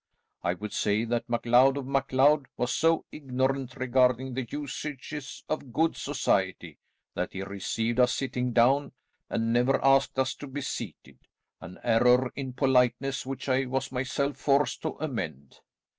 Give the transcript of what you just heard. I would say that MacLeod of MacLeod was so ignorant regarding the usages of good society that he received us sitting down, and never asked us to be seated, an error in politeness which I was myself forced to amend.